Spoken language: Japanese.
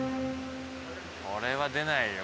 これは出ないよ